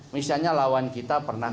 misalnya lawan kita pernah